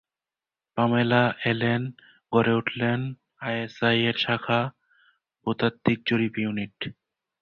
Pamela এলেন, গড়ে উঠল আইএসআই-এর শাখা ভূতাত্ত্বিক জরিপ ইউনিট।